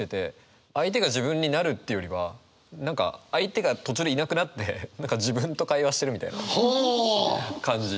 相手が自分になるっていうよりは何か相手が途中でいなくなって自分と会話してるみたいな感じ。